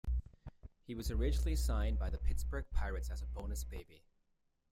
He was originally signed by the Pittsburgh Pirates as a bonus baby.